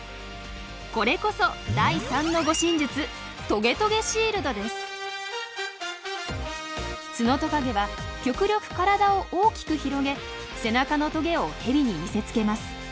これこそ第３の護身術ツノトカゲは極力体を大きく広げ背中のトゲをヘビに見せつけます。